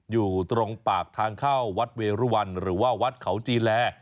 อยู่ตรงปากทางเข้าวัดเวรุวันหรือว่าวัดเขาจีแล